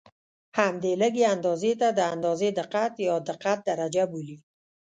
همدې لږې اندازې ته د اندازې دقت یا دقت درجه بولي.